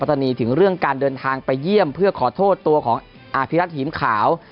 ตอนนี้ถึงเรื่องการเดินทางไปเยี่ยมเพื่อขอโทษตัวของอภิรัติหิมขาว